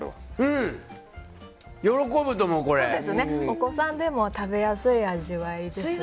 お子さんでも食べやすい味わいですよね。